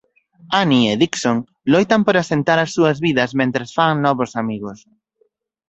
Annie e Dixon loitan por asentar as súas vidas mentres fan novos amigos.